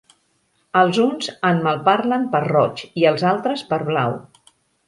Els uns en malparlen per roig i els altres per blau.